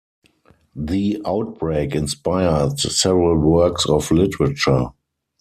The outbreak inspired several works of literature.